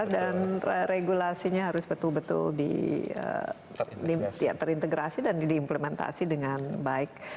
dan regulasinya harus betul betul terintegrasi dan diimplementasi dengan baik